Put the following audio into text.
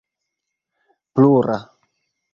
plura